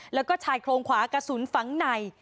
แล้วก็ชายโครงขวากระสุนฝังใน